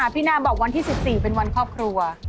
พี่นาบอกวันที่๑๔เป็นวันครอบครัว